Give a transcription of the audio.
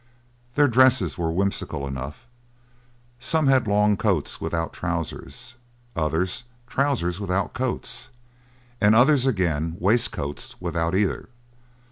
Their dresses were whimsical enough; some had long coats without trousers, and others trousers without coats, and others again waistcoats without either.